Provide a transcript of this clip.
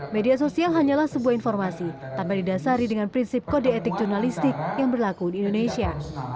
media sosial hanyalah sebuah informasi tanpa didasari dengan prinsip kode etik jurnalistik yang berlaku di indonesia